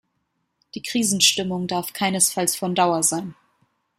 Die Krisenstimmung darf keinesfalls von Dauer sein.